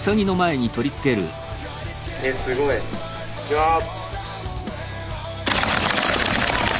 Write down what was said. すごい。いきます！